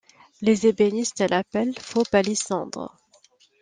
Les ébénistes l'appellent Faux-palissandre.